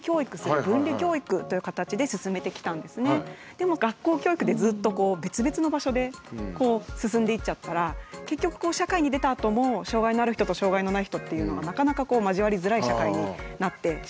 でも学校教育でずっと別々の場所で進んでいっちゃったら結局社会に出たあとも障害のある人と障害のない人っていうのがなかなか交わりづらい社会になってしまいますよね。